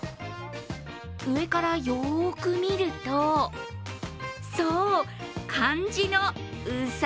上からよく見ると、そう、漢字の卯。